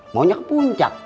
maunya ke puncak